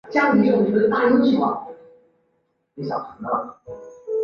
盖维拱门是意大利北部城市维罗纳的一座古罗马建筑。